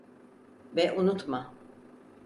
Ve unutma.